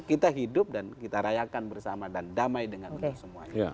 kita hidup dan kita rayakan bersama dan damai dengan untuk semuanya